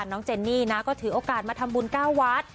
เจนนี่นะก็ถือโอกาสมาทำบุญ๙วัด